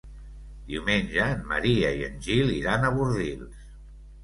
Diumenge en Maria i en Gil iran a Bordils.